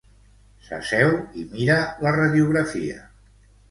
S'asseu i mira la radiografia.